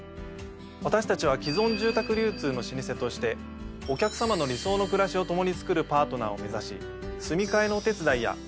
私たちは既存住宅流通の老舗としてお客様の理想の暮らしを共につくるパートナーを目指し。